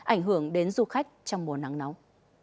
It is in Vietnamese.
ảnh hưởng đến du khách trong mùa nắng nóng